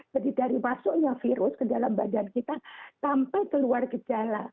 jadi dari masuknya virus ke dalam badan kita sampai keluar gejala